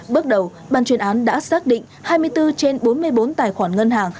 bước đầu ban chuyên án đã xác định hai mươi bốn trên bốn mươi bốn tài khoản ngân hàng